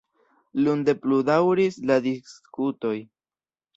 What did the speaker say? Lunde pludaŭris la diskutoj.